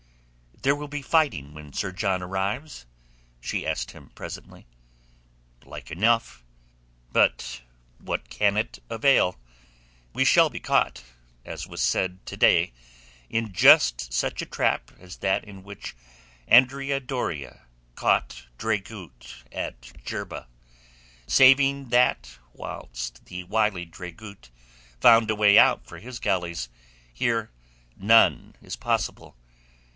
"There will be fighting when Sir John arrives?" she asked him presently. "Like enough. But what can it avail? We shall be caught—as was said to day—in just such a trap as that in which Andrea Doria caught Dragut at Jerba, saving that whilst the wily Dragut found a way out for his galleys, here none is possible.